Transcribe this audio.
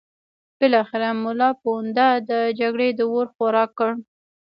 بالاخره ملا پوونده د جګړې د اور خوراک کړ.